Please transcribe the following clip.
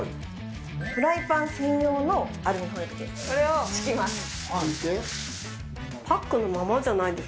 フライパン専用のアルミホイルです。